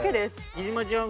貴島ちゃん